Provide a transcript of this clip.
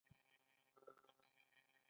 آیا د خپلواکۍ ورځ د جشن ورځ نه ده؟